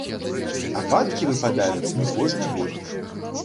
Ападкі выпадаюць не кожны год.